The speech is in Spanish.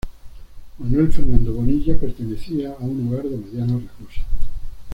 Manuel Fernando Bonilla pertenecía a un hogar de medianos recursos.